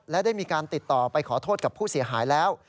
และได้มีการติดต่อไปขอโทษกับผู้เสียหายแล้ว